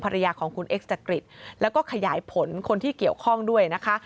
ภรรยาของคุณเอ็กซจักริตแล้วก็ขยายผลคนที่เกี่ยวข้องด้วยนะคะ